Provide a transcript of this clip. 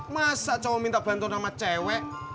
masa cowok minta bantuan sama cewek